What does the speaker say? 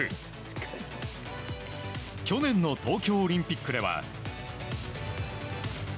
去年の東京オリンピックでは。